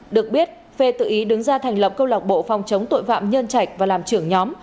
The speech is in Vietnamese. được biết phê tự ý đứng ra thành lập công lạc bộ phòng chống tội vạm nhơn trạch và làm trưởng nhóm